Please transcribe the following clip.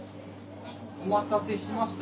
お待たせしました。